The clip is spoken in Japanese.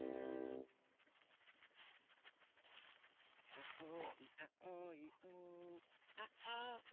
あおいあおいあおん？